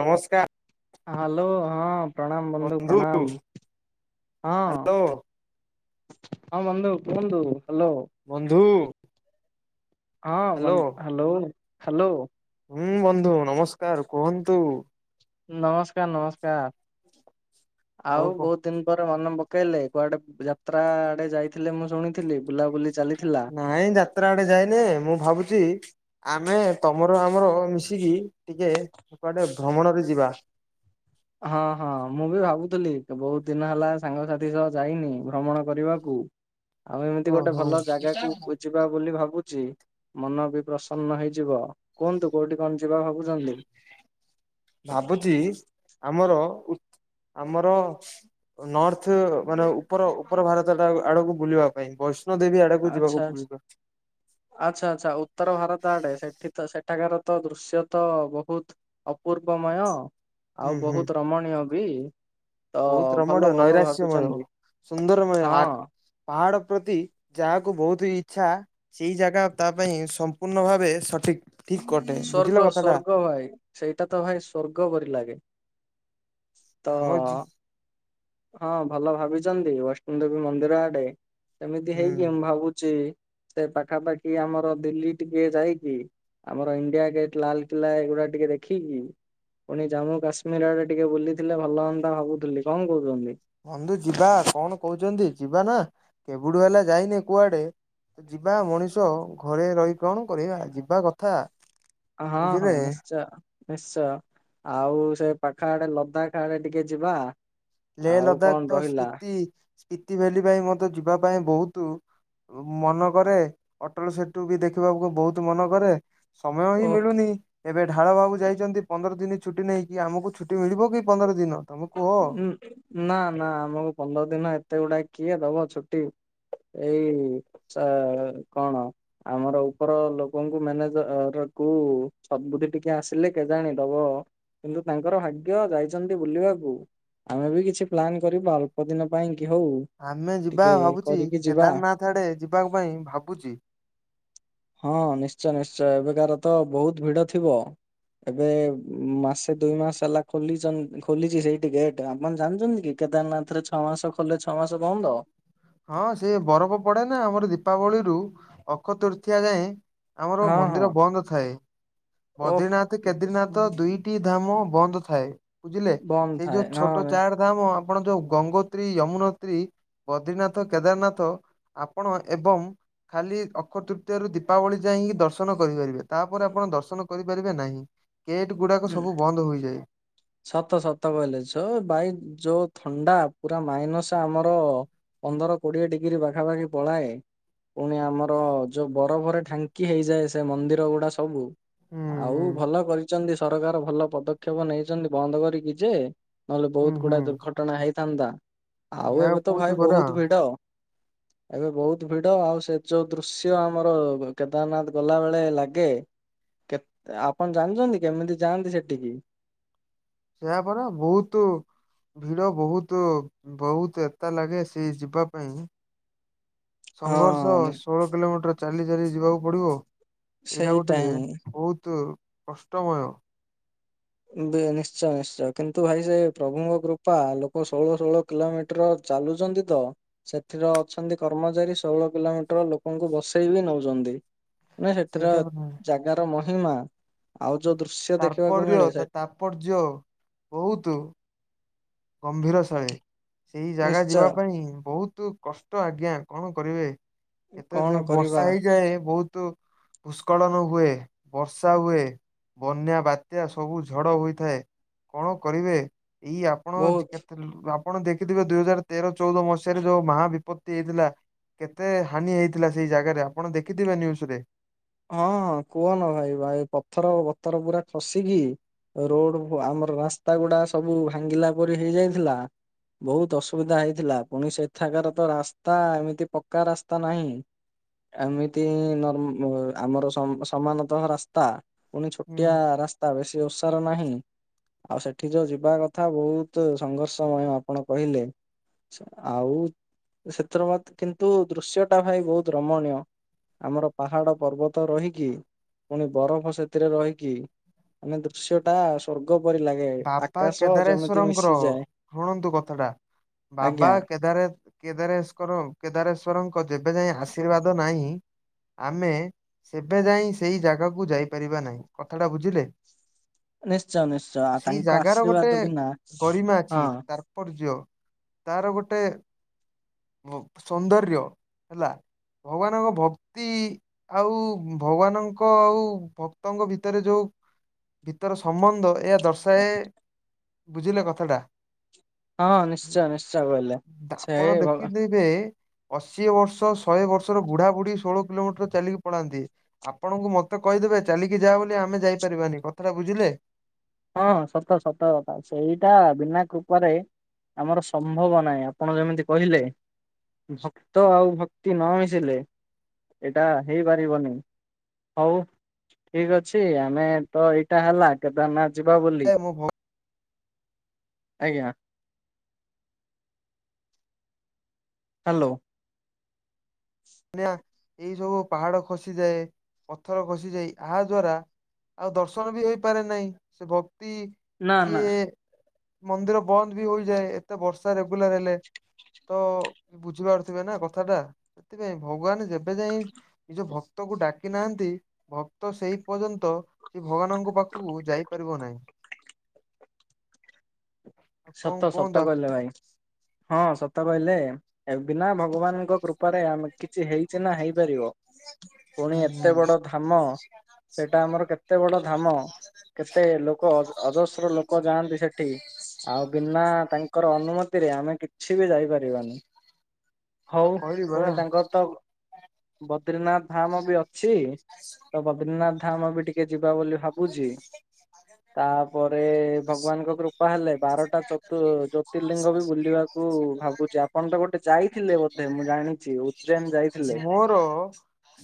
ନମସ୍କାର୍। ହାଲୋ ହଁ ପ୍ରଣାମ ବନ୍ଧୁ ପ୍ରଣାମ ହଁ। ହ୍ୟାଲୋ ହଁ ବନ୍ଧୁ କୁହନ୍ତୁ ହାଲୋ। ବନ୍ଧୁ ହଁ ବନ ହାଲୋ ହାଲୋ। ହୁଁ ବନ୍ଧୁ ନମସ୍କାର କୁହନ୍ତୁ? ନମସ୍କାର ନମସ୍କାର ଆଉ ବହୁତ ଏତେଦିନ ପରେ ମନ ପକେଇଲେ କୁଆଡେ ଯାତ୍ରା ଆଡେ ଯାଇଥିଲେ ମୁଁ ଶୁଣିଥିଲି ବୁଲାବୁଲି ଚାଲିଥିଲା। ନାଇଁ ଯାତ୍ରାଆଡେ ଯାଇନି ମୁଁ ଭାବୁଚି। ଆମେ ତମର ଆମର ମିଶିକି ଟିକିଏ କୁଆଡେ ଭ୍ରମଣରେ ଯିବା। ହଁ ହଁ ମୁଁବି ଭାବୁଥିଲି ବହୁତ ଦିନହେଲା ସାଙ୍ଗସାଥି ସହ ଯାଇନି ଭ୍ରମଣ କରିବାକୁ। ଆଉ ଏମିତି ହଁ ଗୋଟେ ହଁ ଭଲ ଜାଗାକୁ ବୁଝିବୁ। ଯିବା ବୋଲି ଭାବୁଚି ମନବି ପ୍ରସନ୍ନ ହେଇଯିବ କୁହନ୍ତୁ କୋଉଠି କଣ ଯିବା ଭାବୁ ଜଳଦି ଭାବୁଚି ଆମର ଉ ଆମର ନର୍ଥ ମାନେ ଉପର ଉପର ଭାରତଟାଆଙ୍କ ଆଡକୁ ବୁଲିବା ପାଇଁ ବସ ଷ୍ଣବ ଦେବୀ ଆଡକୁ ଆଚ୍ଛା ଯିବାକୁ ଆଚ୍ଛା ପଡିବ। ଆଚ୍ଛା ଆଚ୍ଛା ଉତ୍ତର ଭାରତ ଆଡେ ସେଠିତ ସେଠାକାରତ ଦୃଶ୍ୟତ ବହୁତ‌ ଅପୂର୍ବମୟ ଆଉ ହୁଁ ହୁଁ ବହୁତ ରମଣୀୟବି। ବହୁତ ରମଣୀୟ ନୈରାଶ୍ୟମୟ ସୁନ୍ଦରମୟ ଆରର୍କ। ହଁ ପାହାଡ ପ୍ରତି ଯାହାକୁ ବହୁତ ଇଚ୍ଛା ସେଇ ଜାଗା ତାପାଇଁ। ସମ୍ପୂର୍ଣ୍ଣ ଭାବେ ସଠିକ ଠିକ ଅଟେ ବୁଝିଲ କଥାଟା। ସେଇଟାତ ଭାଇ ସ୍ଵର୍ଗ ପରି ଲାଗେ ତ ଆମ ହୁଁ ହଁ ଭଲ ଭାବିଚନ୍ତି ବୈଷ୍ଣବଦେବୀ ମନ୍ଦିର ଆଡେ। ଏମିତି ହେଇକି ମୁଁ ଭାବୁଚି ସେ ପାଖା ପାଖି ଆମର ଦିଲ୍ଲୀ ଟିକେ ଯାଇକି ଆମର ଇଣ୍ଡିଆ ଗେଟ ଲାଲକିଲ୍ଲା ଏଗୁଡା ଟିକିଏ ଦେଖିକି ପୁଣି ଜାମ୍ମୁ କାଶ୍ମୀର ଆଡେ ଟିକେ ବୁଲିଥିଲେ ଭଲ ହୁଅନ୍ତା ଭାବୁଥିଲି କଣ କହୁଛନ୍ତି? ବନ୍ଧୁ ଯିବା କଣ କହୁଛନ୍ତି ଯିବାନା କେବେଠୁ ହେଲା ଯାଇନି କୁଆଡେ? ଯିବା ମଣିଷ ଘରେ ରହି କଣ କରିବା ଯିବା କଥା? ହଁ ହଁ ବୁଝିଲେ। ନିଶ୍ଚ ନିଶ୍ଚୟ ଆଉ ସେ ପାଖଆଡେ ଲଦାକା ଆଡେ ଟିକେ ଯିବା। ଲେ ଆଉ କଣ ଲଦାକ ରହିଲା ସ୍ପୁତି ସ୍ପିତିଭେଲି ପାଇଁ ମତେ ଯିବା ପାଇଁ ବହୁତୁ ମନକରେ ଅଟଳସେତୁବି ଦେଖିବାକୁ ବହୁତୁ ମନକରେ। ସମୟହିଁ ଓଃ ମିଳୁନି। ଏବେ ଢାଳ ବାବୁ ଯାଇଚନ୍ତି ପନ୍ଦର ଦିନି ଛୁଟି ନେଇକି ଆମକୁ ଛୁଟି ମିଳିବକି ପନ୍ଦର ଦିନ। ତମେ କୁହ ଉୁଁ ନାଁ ନାଁ ଆମକୁ ପନ୍ଦର ଦିନ ଏତେ ଗୁଡାଏ କିଏ ଦବ ଛୁଟି? ଏଇ ଚା କଣ? ଆମର ଉପର ଲୋକଙ୍କୁ ମ୍ୟାନେଜରକୁ ସଦବୁଦ୍ଧି ଟିକିଏ ଆସିଲେ କେଜାଣି ଦବ। କିନ୍ତୁ ତାଙ୍କର ଭାଗ୍ୟ ଯାଇଚନ୍ତି ବୁଲିବାକୁ। ଆମେବି କିଛି ପ୍ଲାନ କରିବୁ ଅଳ୍ପ ଦିନ ପାଇଁକି ହଉ ଆମେ ଯିବା ଟିକେ ଭାବୁଚି କରିକି ଯିବା। କେଦାରନାଥ ଆଡେ ଯିବାପାଇଁ ଭାବୁଚି। ହଁ ନିଶ୍ଚୟ ନିଶ୍ଚୟହଏବେକାରତ ବହୁତ ଭିଡ ଥିବ। ଏବେ ମାସେ ଦୁଇ ମାସ ହେଲା ଖୋଲିଚନ୍ତ ଖୋଲିଚି ସେଇ ଗେଟ ଆପଣ ଜାଣିଚନ୍ତିକି କେଦାରନାଥରେ ଛଅମାସ ଖୋଲେ ଛଅମାସ ବନ୍ଦ। ହଁ ସେ ବରଫ ପଡେନା ଆମର ଦୀପାବଳିରୁୁ ଅକ୍ଷତୃତିୟା ଯାଏଁ। ଆମର ହଁ ହଁ। ମନ୍ଦିର ବନ୍ଦଥାଏ ଓଃ ବଦ୍ରିନାଥ। କେଦ୍ରିନାଥ ଦୁଇଟି ଧାମ ବନ୍ଦ ଥାଏ ବୁଝିଲେ ବନ୍ଦ ସେଇ ଥାଏ ଯୋଉ ଛୋଟ ନହେଲେ ଚାର। ଆପଣ ଯୋଉ ଗଙ୍ଗୋତ୍ରୀ ୟମୁନୋତ୍ରୀ ବଦ୍ରୀନାଥ। କେଦାରନାଥ ଆପଣ ଏବଂ। ଖାଲି ଅକ୍ଷ ତୃତୀୟା ରୁ ଦୀପାବଳି ଯାଇକି ଦର୍ଶନ କରିପାରିବେ। ତାପରେ ଆପଣ ଦର୍ଶନ କରିପାରିବେ ନାହିଁ। ଗେଟ୍ ଗୁଡାକ ଉଁ ସବୁ ବନ୍ଦ ହୋଇଯାଏ। ସତ ସତ କହିଲେ ଭାଇ ଯୋଉ ଥଣ୍ଡା ପୁରା ମାଇନସ୍ ଆମର। ପନ୍ଦର କୋଡିଏ ଡିଗ୍ରୀ ପାଖାପାଖି ପଳାଏ। ପୁଣି ଆମର ଯୋଉ ବରଫରେ ଢାଙ୍କି ହେଇଯାଏ। ସେ ମନ୍ଦିର ଗୁଡା ସବୁ। ଆଉ ଭଲ କରିଛନ୍ତି ସରକାର। ଭଲ ପଦକ୍ଷେପ ନେଇଛନ୍ତି ବନ୍ଦ କରିକି ଯେ। ନହେଲେ ହୁଁ ବହୁତ ହୁଁ ଗୁଡା ଦୁର୍ଘଟଣା ହେଇଥାନ୍ତା। ଆଉ ଏହା ଏବେ ତ କହୁଛି ଭାଇ ପରା ବହୁତ ଭିଡ। [unintelligible] ଏବେ ବହୁତ ଭିଡ। ଆଉ ସେ ଯୋଉ ଦୃଶ୍ୟ ଆମର କେଦାରନାଥ୍ ଗଲା ବେଳେ ଲାଗେ। କେତ ଆପଣ ଜାଣିଛନ୍ତି। କେମିତି ଯାଆନ୍ତି ସେଠିକି। ସେୟା ପରା ବହୁତ। ଭିଡ ବହୁତ, ବହୁତ ଏକା ଲାଗେ ସେଇ ଯିବା ପାଇଁ। ସଂଘର୍ଷ ହଁ ଷୋଳ କିଲୋ ମିଟର ଚାଲି ଚାଲି ଯିବାକୁ ପଡିବ ଆଉ। ଏରା ସେଇଟା ଗୋଟେ ଯେ ହିଁ ବହୁତ କଷ୍ଟମୟ। ଭେୟା ନିଶ୍ଚୟ ନିଶ୍ଚୟ କିନ୍ତୁ ଭାଇ ସେ ପ୍ରଭୁଙ୍କ କୃ ବାପା ଲୋକ ଷୋହଳ ଷୋଳ କିଲୋମିଟର ଚାଲୁଛନ୍ତି ତ। ସେଥିର ଅଛନ୍ତି କର୍ମଚାରୀ। ଷୋହଳ କିଲୋମିଟର ଲୋକଙ୍କୁ ବସେଇ ବି ନଉଛନ୍ତି। ମେ ସେଥିର ସେଇଟା ଜାଗାର ମହିମା। ଆଉ ଯୋଉ ଦୃଶ୍ୟ ତର୍ପୟ ଦେଖିବାକୁ ମିଳେ ସେ ତର୍ପଯ୍ୟ ବହୁତ। ଗମ୍ଭୀର ଶୈଳେ। ସେଇ ଜାଗା ନିଶ୍ଚୟ ଯିବା ପାଇଁ ବହୁତ କଷ୍ଟ। ଆଜ୍ଞା କଣ କରିବେ। ଏତେ କଣ ଯଉ କରିବା ବର୍ଷା ହେଇଯାଏ ବହୁତ। ଭୂସ୍କଳନ ହୁଏ, ବର୍ଷା ହୁଏ। ବନ୍ୟା ବାତ୍ୟା ସବୁ ଝଡ଼ ହୋଇଥାଏ କଣ କରିବେ ଏଇ ଆ ବହୁତ ଆପଣ ଆପଣ ଦେଖିଥିବେ ଦୁଇ ହଜାର ତେର ଚଉଦ ମସିହାରେ ଯୋଉ ମହାବିପତ୍ତି ହେଇଥିଲା। କେତେ ହାନି ହେଇଥିଲା ସେଇ ଜାଗାରେ ଆପଣ ଦେଖିଥିବେ ନ୍ୟୁଜରେ। ହଁ କୁହନ ଭାଇ ଭାଇ ପଥର ବତର ପୁରା ଖସିକି ରୋଡ୍ କୁ ଆମର ରାସ୍ତା ଗୁଡା ସବୁ ଭାଙ୍ଗିଲା ପରି ହେଇ ଯାଇଥିଲା। ବହୁତ ଅସୁବିଧା ହେଇଥିଲା ପୁଣି ସେଥାକାର ତ ରାସ୍ତା ଏମିତି ପକ୍କା ରାସ୍ତା ନାହିଁ। ଏମିତି ନର୍ମାଲ। ଆମର ସମା ସମାନତଃ ରାସ୍ତା ପୁଣି ହୁଁ। ଛୋଟିଆ ରାସ୍ତା ବେଶୀ ଓଷାର ନାହିଁ। ଆଉ ସେଠି ଯୋଉ ଯିବା କଥା ବହୁତ ସଂଘର୍ଷମୟ ଆପଣ କହିଲେ। ଆଉ ସେଥିର ବାଦ୍ କିନ୍ତୁ ଦୃଶ୍ୟ ଟା ଭାଇ ବହୁତ ରମଣୀୟ। ଆମର ପାହାଡ ପର୍ବତ ରହିକି ପୁଣି ବରଫ ସେଥିରେ ରହିକି ମାନେ ଦୃଶ୍ୟ ଟା ସ୍ୱର୍ଗ ପରି ଲାଗେ। ବାବା ଆକାଶ ଯେମିତି କେଦାରେଶ୍ଵରଙ୍କର ମିଶିଯାଏ ଶୁଣନ୍ତୁ କଥା ଟା, ବାବା ଆଜ୍ଞା। କେଦାରେ କେଦାରେଶ୍କର କେଦାରେଶ୍ଵରଙ୍କ ଯେବେ ଯାଇଁ ଆଶୀର୍ବାଦ ନାହିଁ ଆମେ ସେବେ ଯାଇଁ ସେଇ ଜାଗାକୁ ଯାଇପାରିବା ନାହିଁ କଥାଟା ବୁଝିଲେ। ନିଶ୍ଚୟ ନିଶ୍ଚୟ ଆଉ ସେଇ ତାଙ୍କ ଜାଗାର ଆଶୀର୍ବାଦ ବିନା ହଁ। ତାପର୍ଯ୍ୟୟ ତାର ଗୋଟେ ସୌନ୍ଦର୍ଯ୍ୟ ହେଲା ଭଗବାନଙ୍କ ଭକ୍ତି ଆଉ ଭଗବାନଙ୍କ ଆଉ ଭକ୍ତଙ୍କ ଭିତରେ ଯୋଉ ଭିତର ସମ୍ବନ୍ଧ ଏହା ଦର୍ଶାଏ ବୁଝିଲେ କଥାଟା। ହଁ ନିଶ୍ଚୟ ନିଶ୍ଚୟ କହିଲେ ତା ସେଇ ଆପଣ ଭଗ ଦେଖିଦେଇ ବେ ଅଶୀଏ ବର୍ଷ ଶହେ ବର୍ଷର ବୁଢା ବୁଢୀ ଷୋଳ କିଲୋମିଟର ଚାଲିକି ପଳାନ୍ତି, ଆପଣଙ୍କୁ ମୋତେ କହିଦେବେ ଚାଲିକି ଯା ବୋଲି ଆମେ ଯାଇପାରିବାନି କଥାଟା ବୁଝିଲେ। ହଁଁ ସତ ସତ କଥା ସେଇଟା ବିନା କୃପାରେ ଆମର ସମ୍ଭବ ନାହିଁ ଆପଣ ଯେମିତି କହିଲେ ଶକ୍ତ ଆଉ ଭକ୍ତି ନ ମିଶିଲେ ଏଇଟା ହେଇପାରିବନି। ହଉ ଠିକ୍ ଅଛି ଆମେ ତ ଏଇଟା ହେଲା କେଦାରନାଥ ଯିବା ବୋଲି ଏ ମୋ ଆଜ୍ଞା। ହାଲୋ। ନିଆ ଏଇ ଯୋଉ ପାହାଡ ଖସିଯାଏ, ପଥର ଖସିଯାଇ, ଆହା ଦ୍ଵାରା ଆଉ ଦର୍ଶନ ବି ହେଇପାରେ ନାଇଁ ସେ ଭକ୍ତି ନା ନା କିଏ ମନ୍ଦିର ବନ୍ଦ ବି ହୋଇଯାଏ ଏତେ ବର୍ଷା ରେଗୁଲାର୍ ହେଲେ। ତ ବୁଝିପାରୁଥିବେ ନା କଥାଟା। ସେଥିପାଇଁ ଭଗବାନ ଯେବେ ଯାଇଁ ନିଜ ଭକ୍ତକୁ ଡାକି ନାହାନ୍ତି ଭକ୍ତ ସେଇ ପର୍ଯ୍ୟନ୍ତ କି ଭଗବାନଙ୍କ ପାଖକୁ ଯାଇପାରିବ ନାହିଁ। ଆଉ କଣ ସତ କୁହନ୍ତୁ ସତ ଆ କହିଲେ ଭାଇ ହଁ ସତ କହିଲେ। ଏ ବିନା ଭଗବାନଙ୍କ କୃପାରେ ଆମେ କିଛି ହେଇଚି ନା ହେଇପାରିବ। [inaudible] ପୁଣି ଏତେ ବଡ ଧାମ ସେଇଟା ଆମର କେତେ ବଡ ଧାମ, କେତେ ଲୋକ ଅଜସ୍ର ଲୋକ ଯାଆନ୍ତି ସେ ଠି ଆଉ ବିନା ତାଙ୍କର ଅନୁମତିରେ ଆମେ କିଛି ବି ଯାଇପାରିବାନି। ହୁଁ ହଉ କହିଲି ପରା ପୁଣି ତାଙ୍କର ତ ବଦ୍ରିନାଥ ଧାମ ବି ଅଛି। ତ ବଦ୍ରୀନାଥ ଧାମ ବି ଟିକେ ଯିବା ବୋଲି ଭାବୁଛି। ତାପରେ ଭଗବାନଙ୍କ କୃପା ହେଲେ ବାରଟା ଚତୁ ଜ୍ୟୋତିର୍ଲିଙ୍ଗ ବି ବୁଲିବାକୁ ଭାବୁଚି ଆପଣ ତ ଗୋଟେ ଯାଇଥିଲେ ବୋ ଧେ ମୁଁ ଜାଣିଚି ଉଜୈନ ଯାଇଥିଲେ। ତ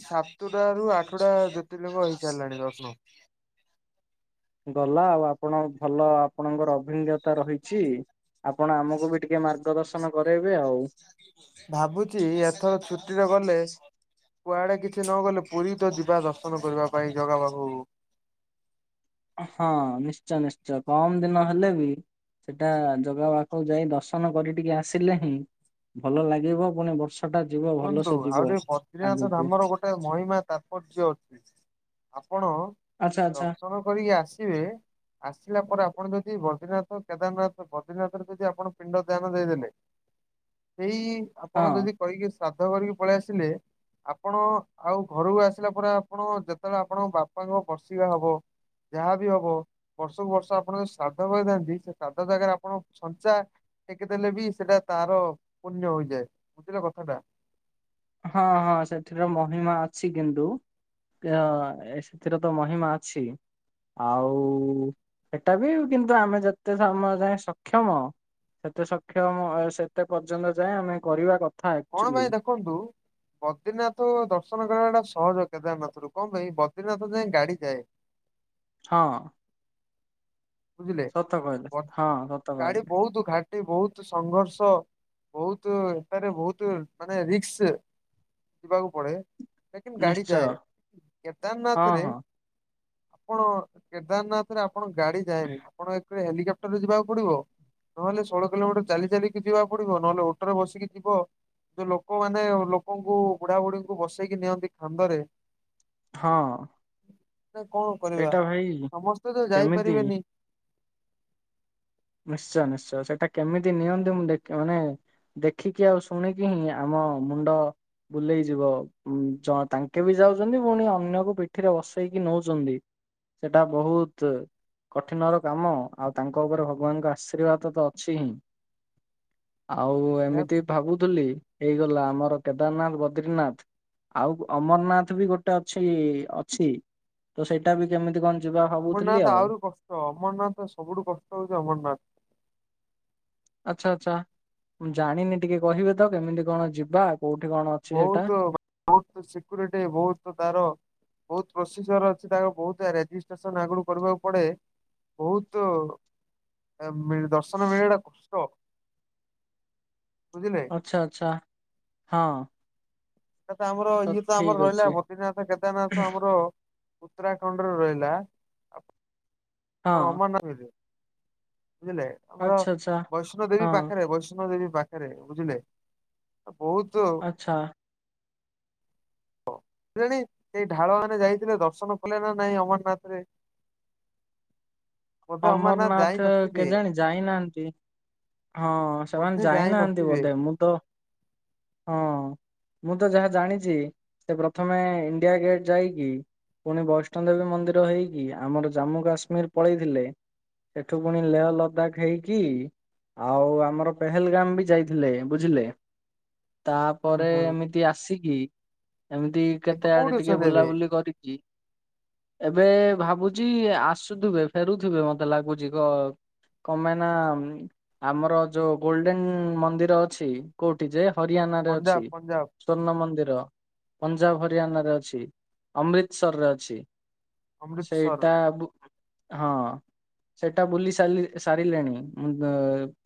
ସାତୁଟା ରୁ ଆଠୁଟା ଜ୍ୟୋତିର୍ଲିଙ୍ଗ ହେଇସାରିଲାଣି ଦର୍ଶନ। ଗଲା ଆଉ ଆପଣ ଭଲ ଆପଣଙ୍କର ଅଭିଁଜ୍ଞତା ରହିଛି। ଆପଣ ଆମକୁ ବି ଟିକେ ମାର୍ଗଦର୍ଶନ କରେଇବେ ଆଉ। ଭାବୁଚି ଏଥର ଛୁଟିରେ ଗଲେ କୁଆଡେ କିଛି ନ ଗଲେ ପୁରୀ ତ ଯିବା ଦର୍ଶନ କରିବା ପାଇଁ ଜଗା ପାଖକୁ। ହଁ ନିଶ୍ଚୟ ନିଶ୍ଚୟ କମ୍ ଦିନ ହେଲେ ବି ସେଟା ଜଗା ପାଖକୁ ଯାଇ ଦର୍ଶନ କରି ଟିକେ ଆସିଲେ ହିଁ ଭଲ ଲାଗିବ ପୁଣି ବର୍ଷ ଟା ଯିବ ଶୁଶୁନ୍ତୁ ଭଲସେ ଯିବ ଆଉ ଟିକେ ବଦ୍ରିନାଥ ଆଗକୁ ଧାମର ଗୋ ତା ମହିମା ତାତ୍ପର୍ଯ୍ୟ ଅଛି ଆପଣ ଆଚ୍ଛା ଆଚ୍ଛା ଦର୍ଶନ କରିକି ଆସିବେ ଆସିଲା ପରେ ଆପଣ ଯଦି ବଦ୍ରିନାଥ କେଦାରନାଥ ବଦ୍ରିନାଥରେ ଯଦି ଆପଣ ପିଣ୍ଡ ଦାନ ଦେଇଦେଲେ ଦେଇ ଆପଣ ହଁ। ଯଦି କହିକି ଶ୍ରାଦ୍ଧ କରିକି ପଳେଇ ଆସିଲେ ଆପଣ ଆଉ ଘରକୁ ଆସିଲା ପରେ ଆପଣ ଯେତେଳେ ଆପଣଙ୍କ ବାପାଙ୍କ ବର୍ଷିକା ହବ ଯାହା ବି ହବ ବର୍ଷକୁ ବର୍ଷ ଆପଣ ଯୋଉ ଶ୍ରାଦ୍ଧ କରିଥାନ୍ତି ସେ ଶ୍ରାଦ୍ଧ ଜାଗାରେ ଆପଣ ଛଞ୍ଚା। ଟେକିଦେଲେ ବି ସେଟା ତାର ପୁଣ୍ୟ ହୋଇଯାଏ ବୁଝିଲ କଥାଟା। ହଁ ହଁ ସେଥିରେ ମହିମା ଅଛି କିନ୍ତୁ। ସେଥିରେ ତ ମହିମା ଅଛି। ଆଉ ସେଟା ବି କିନ୍ତୁ ଆମେ ଯେତେ ସମୟ ଯାଏ ସକ୍ଷମ ସେତେ ସକ୍ଷମ ସେତେ ପର୍ଯ୍ୟନ୍ତ ଯାଏଁ ଆମେ କରିବା କଥା। କଣ ଆକ୍ଚୁଆଲି ପାଇଁ ଦେଖନ୍ତୁ। ବଦ୍ରିନାଥ ଦର୍ଶନ କରିବା ଟା ସହଜ କେଦାରନାଥ ରୁ କଣ ପାଇଁ ବଦ୍ରିନାଥ ଯାଏଁ ଗାଡି ଯାଏ। ହଁ ବୁଝିଲେ ସତ କହିଲେ ହଁ ସତ ଗାଡ଼ି କହିଲେ ବହୁତ ଘାଟ ବହୁତ ସଂଘର୍ଷ ବହୁତ ଏଠାରେ ବହୁତ ମାନେ ରିକ୍ସ। ଯିବାକୁ ପଡ଼େ କିନ୍ତୁ ଗାଡ଼ି ନିଶ୍ଚୟ ଯାଏ ହଁ କେଦାରନାଥରେ ହଁ ଆପଣ କେଦାରନାଥରେ ଆପଣ ଗାଡ଼ି ଯାଏନି ଆପଣ ଏଥିରେ ହେଲିକାପ୍ଟର୍ ଯିବାକୁ ପଡ଼ିବ। ନହେଲେ ଷୋହଳ କିଲୋମିଟର ଚାଲି ଚାଲିକି ଯିବାକୁ ପଡ଼ିବ ନହେଲେ ଓଟୋରେ ବସିକି ଯିବ। ଯୋଉ ଲୋକମାନେ ଲୋକଙ୍କୁ ବୁଢ଼ା ବୁଢ଼ୀଙ୍କୁ ବସେଇକି ନିଅନ୍ତି କାନ୍ଧରେ। ହଁ। କଣ କରିବା ସେଇଟା ଭାଇ ସମସ୍ତେ ତ କେମିତି ଯାଇପାରିବେନି। ନିଶ୍ଚୟ ନିଶ୍ଚୟ ସେଇଟା କେମିତି ନିଅନ୍ତିୁ ମୁଁ ଦେଖେ ମାନେ ଦେଖିକି ଆଉ ଶୁଣିକି ହିଁ ଆମ ମୁଣ୍ଡ ବୁଲେଇଯିବ ଜଣ ତାଙ୍କେ ବି ଯାଉଛନ୍ତି ପୁଣି ଅନ୍ୟକୁ ପିଠିରେ ବସେଇକି ନଉଛନ୍ତି। ସେଟା ବହୁତ କଠିନର କାମ ଆଉ ତାଙ୍କ ଉପରେ ଭଗବାନଙ୍କ ଆଶୀର୍ବାଦ ତ ଅଛି ହିଁ ଆଉ ଏହାକୁ ଏମିତି ଭାବୁଥିଲି। ହେଇଗଲା ଆମର କେଦାରନାଥ ବଦ୍ରିନାଥ ଆଉ ଅମରନାଥ ବି ଗୋଟେ ଅଛି ଅଛି ତ ସେଇଟା ବି କେମିତି କଣ ଯିବା ଭାବୁଥିଲି ଆଉ। ତ ଅମରନାଥ ସବୁଠୁ କଷ୍ଟ ହଉଛି ଅମରନାଥ। ଆଚ୍ଛା ଆଚ୍ଛା ମୁଁ ଜାଣିନି ଟିକେ କହିବେ ତ କେମିତି କଣ ଯିବା? କୋଉଠି କଣ? ଅଛି ସେଟା? ବହୁତ ବହୁତ ସେକ୍ୟୁରିଟୀ ବହୁତ ତାର ବହୁତ ପ୍ରୋସିଜର ଅଛି ତା ବହୁତ ରେଜିଷ୍ଟ୍ରେସନ୍ ଆଗରୁ କରିବାକୁ ପଡ଼େ। ବହୁତ ଦର୍ଶନ ମିଳିବାଟା କଷ୍ଟ ବୁଝିଲେ। ଆଛା ଆଛା ହଁ ଆମର ଇଏ ତ ଆମର ଠିକ୍ ରହିଲା ଅଛି ବଦ୍ରିନାଥ କେଦାରନାଥ ଆମର ଉତ୍ତରାଖଣ୍ଡରେ ରହିଲା ହଁ ଆପଣ ଅମାନଗର ବୁଝିଲେ ଆମର ଆଚ୍ଛା ଆଚ୍ଛା ବୈଷ୍ଣୋ ଦେବୀ ହଁ। ପାଖରେ ବୈଷ୍ଣୋ ଦେବୀ ପାଖରେ ବୁଝିଲେ ବହୁତ ଆଚ୍ଛା। ହେଲାଣୀ ସେଇ ଢାଳ ମାନେ ଯାଇଥିଲେ ଦର୍ଶନ କଲେ ନା ନାଇଁ ଅମରନାଥରେ। [inaudible] ଅମରନାଥ କେଜାଣି ଯାଇନାହାନ୍ତି। ହଁ ସେମାନେ ବୋଧେ ଯାଇନାହାନ୍ତି ଯାଇନଥିବେ ବୋଧେ ମୁଁ ତ ହଁ ମୁଁ ତ ଯାହା ଜାଣିଛି ସେ ପ୍ରଥମେ ଇଣ୍ଡିଆ ଗେଟ୍ ଯାଇକି- ପୁଣି ବୈଷ୍ଣ ଦେବୀ ମନ୍ଦିର ହେଇକି ଆମର ଜାମ୍ମୁ କାଶ୍ମୀର ପଳେଇଥିଲେ। ସେଠୁ ପୁଣି ଲେହ ଲଦାଖ ହେଇକି। ଆଉ ଆମର ପେହେଲଗାମ ବି ଯାଇଥିଲେ ବୁଝିଲେ। ହୁଁ ତାପରେ ହୁଁ ଏମିତି ଆସିକି ଏମିତି ଏବେ କେତେ ଆଡେ କୋଉଠି ଟିକେ ଅଛନ୍ତି ଏବେ? ବୁଲାବୁଲି କରିକି ଏବେ ଭାବୁଛି ଆସୁଥିବେ ଫେରୁଥିବେ ମତେ ଲାଗୁଛି କଣ କଣ ପାଇ ନା ଆମର ଯୋଉ ଗୋଲଡେନ୍ ମନ୍ଦିର ଅଛି କୋଉଠି ଯେ ହରିୟାାନ ରେ ଅଛି। ପଞ୍ଜାବ ପଞ୍ଜାବ ସ୍ଵର୍ଣ୍ଣ ମନ୍ଦିର ପଞ୍ଜାବ ହରିୟାନ ରେ ଅଛି ଅମୃତସରରେ ଅଛି। ଅମୃତସର ସେଇଟା ହଁ। ସେଇଟା ବୁଲି ସାର ସାରିଲେଣି ମୁଁ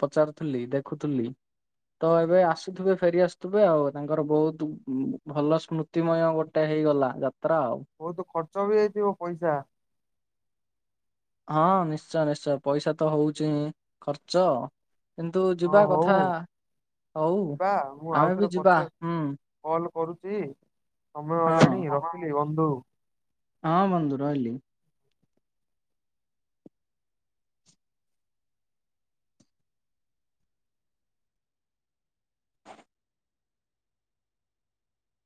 ପଚାରୁଥିଲି ଦେଖୁଥିଲି। ତ ଏବେ ଆସୁଥିବେ ଫେରି ଆସୁଥିବେ ଆଉ ତାଙ୍କର ବହୁତ ଭଲ ସ୍ମୃତି ସ୍ମୃତିମୟ ଗୋଟେ ହେଇଗଲା ଯାତ୍ରା ଆଉ। ବହୁତ ଖର୍ଚ୍ଚ ବି ହେଇଥିବ ପଇସା। ହଁ ନିଶ୍ଚୟ ନିଶ୍ଚୟ ପଇସା ତ ହଉଚି ଖର୍ଚ୍ଚ। କିନ୍ତୁ ହଁ ଯିବା ହଉ କଥା ହଉ ଯିବା ଆମେ ବି ଯିବା ହୁଁ। କଲ୍ କରୁଛି ସମୟ ହେଲାଣି ହଁ। ରଖିଲି ବନ୍ଧୁ। ହଁ ବନ୍ଧୁ ରହିଲି।